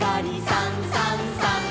「さんさんさん」